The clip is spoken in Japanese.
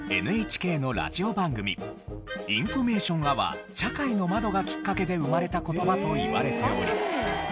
ＮＨＫのラジオ番組『インフォメーションアワー・社会の窓』がきっかけで生まれた言葉といわれており。